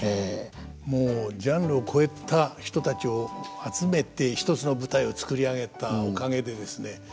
もうジャンルを超えた人たちを集めて一つの舞台を作り上げたおかげでですね